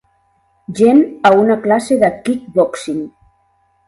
Gent a una classe de kickboxing.